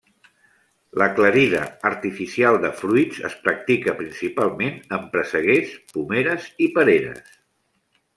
L'aclarida artificial de fruits es practica principalment en presseguers, pomeres i pereres.